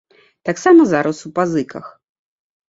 Таксама зараз у пазыках.